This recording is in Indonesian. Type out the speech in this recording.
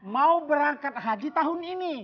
mau berangkat haji tahun ini